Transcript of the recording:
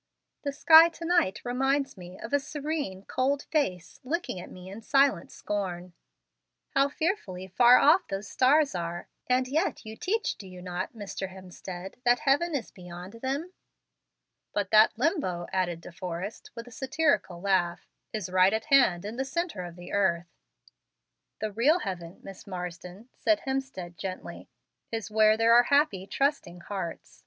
The sky to night reminds me of a serene, cold face looking at me in silent scorn. How fearfully far off those stars are; and yet you teach, do you not, Mr. Hemstead, that heaven is beyond them?" "But that Limbo," added De Forrest, with a satirical laugh, "is right at hand in the centre of the earth." "The real heaven, Miss Marsden," said Hemstead, gently, "is where there are happy, trusting hearts.